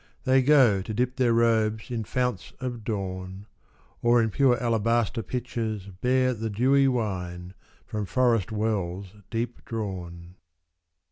They go to dip their robes in founts of dawn ; Or in pure alabaster pitchers bear The dewy wine, from forest wells deep drawn.